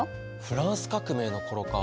フランス革命の頃か。